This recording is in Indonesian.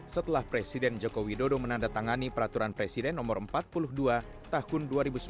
setelah presiden joko widodo menandatangani peraturan presiden no empat puluh dua tahun dua ribu sembilan belas